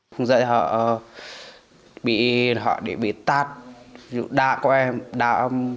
không dạy họ họ bị tát đá vào em